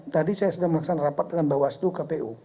tadi saya sudah melaksan rapat dengan bawah selu kpu